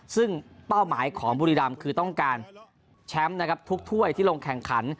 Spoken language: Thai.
ซึ่งเป้าหมายของบุรีรำคือต้องการแชมป์นะครับทุกถ้วยที่ลงแข่งขัน